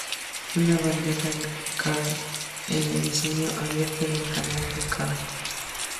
Una bandeja de cables es un diseño abierto de un canal de cable.